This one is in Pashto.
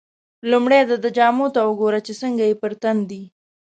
لومړی دده جامو ته وګوره چې څنګه یې پر تن دي.